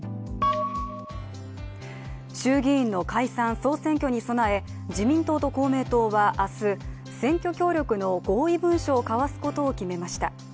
衆議院の解散総選挙に備え自民党と公明党は明日選挙協力の合意文書を交わすことを決めました。